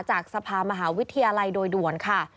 จากสภามหาวิทยาลัยโดยด่วนค่ะ